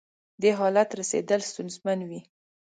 دې حالت رسېدل ستونزمن وي.